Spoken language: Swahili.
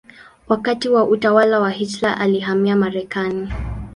Wakati wa utawala wa Hitler alihamia Marekani.